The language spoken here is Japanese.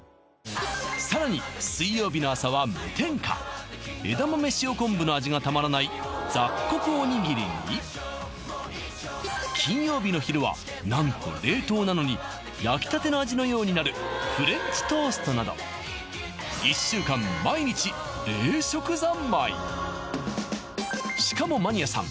さらに水曜日の朝は無添加枝豆塩昆布の味がたまらない雑穀おにぎりに金曜日の昼は何と冷凍なのに焼きたての味のようになるフレンチトーストなど１週間しかもマニアさん